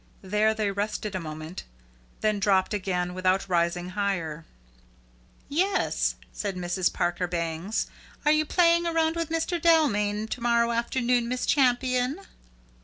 There they rested a moment, then dropped again, without rising higher. "Yes," said Mrs. Parker Bangs, "are you playing around with Mr. Dalmain to morrow forenoon, Miss Champion?"